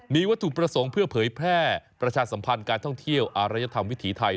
มีวัตถุประสงค์เพื่อเผยแพร่ประชาสัมพันธ์การท่องเที่ยวอารยธรรมวิถีไทย